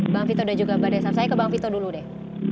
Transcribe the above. bang vito dan juga mbak desaf saya ke bang vito dulu deh